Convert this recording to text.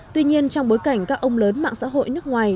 tuy nhiên trong bối cảnh các ông lớn mạng xã hội nước ngoài